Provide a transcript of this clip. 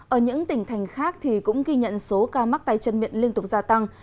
ở những tỉnh thành khác thì cũng ghi nhận số ca mắc tay chân miệng liên tục gia tăng